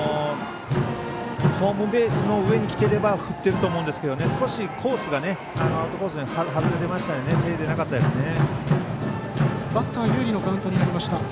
ホームベースの上にきてれば振っていると思うんですけど少しコースがアウトコースから外れてましたので振れていなかったですね。